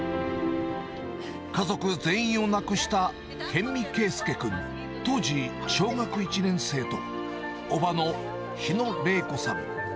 家族全員を亡くした辺見佳祐君、当時小学１年生と、伯母の日野玲子さん。